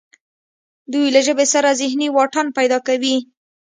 دوی له ژبې سره ذهني واټن پیدا کوي